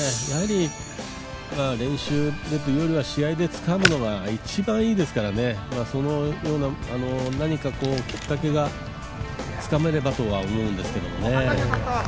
練習というよりは試合でつかむのが一番いいですから、何かきっかけがつかめればとは思うんですけどね。